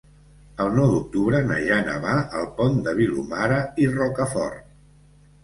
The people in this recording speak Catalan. El nou d'octubre na Jana va al Pont de Vilomara i Rocafort.